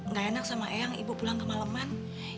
nggak enak sama eyang ibu pulang kemaleman